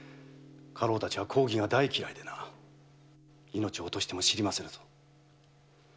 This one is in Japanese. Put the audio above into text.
家老たちは公儀が大嫌いでな命を落としても知りませぬぞ。